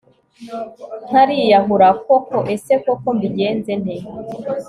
ntariyahura koko ese koko mbigenze nte